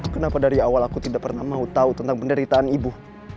kenapa dari awal aku tidak pernah mau tahu tentang penderitaan ibu